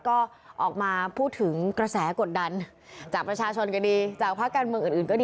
ก็ออกมาพูดถึงกระแสกดดันจากประชาชนก็ดีจากภาคการเมืองอื่นก็ดี